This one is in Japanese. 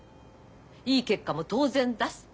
いい結果も当然出す。